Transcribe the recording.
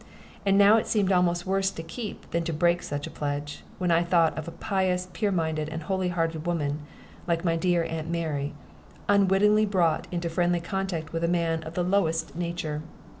And now it seemed almost worse to keep than to break such a pledge, when I thought of a pious, pure minded, and holy hearted woman, like my dear "Aunt Mary," unwittingly brought into friendly contact with a man of the lowest nature.